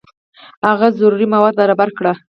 هغه ضروري مواد برابر کړي.